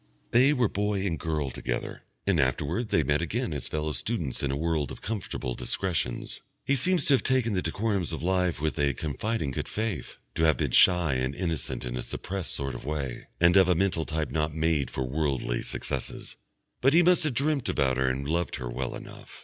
They were boy and girl together, and afterwards they met again as fellow students in a world of comfortable discretions. He seems to have taken the decorums of life with a confiding good faith, to have been shy and innocent in a suppressed sort of way, and of a mental type not made for worldly successes; but he must have dreamt about her and loved her well enough.